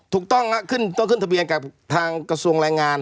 ถูกต้องขึ้นต้องขึ้นทะเบียนกับทางกระทรวงแรงงาน